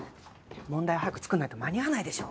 問題を早く作んないと間に合わないでしょ。